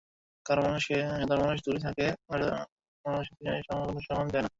কারণ, সাধারণ মানুষ দূরে থাক, অসাধারণ মানুষের দিনও কখনো সমান যায় না।